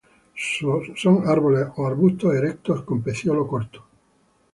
Son árboles o arbustos erectos con pecíolo corto.